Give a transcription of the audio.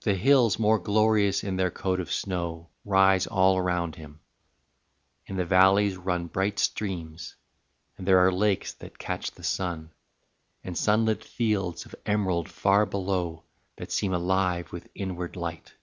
IX. The hills more glorious in their coat of snow Rise all around him, in the valleys run Bright streams, and there are lakes that catch the sun, And sunlit fields of emerald far below That seem alive with inward light.